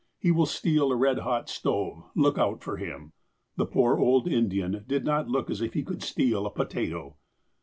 He will steal a red hot stove. Look out for him." The poor old Indian did not look as if he could steal a potato.